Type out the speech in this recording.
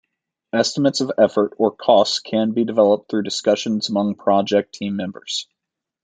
Estimates of effort or cost can be developed through discussions among project team members.